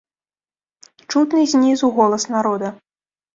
Чутны знізу голас народа.